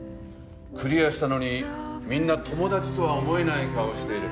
クリアしたのにみんな友達とは思えない顔をしている。